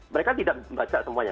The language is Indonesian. mereka tidak membaca semuanya